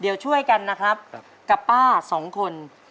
เดี๋ยวช่วยกันนะครับกับป้าสองคน